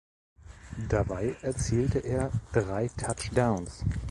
Dabei erzielte er drei Touchdowns.